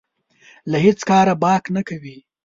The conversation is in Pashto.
له هېڅ کاره باک نه کوي.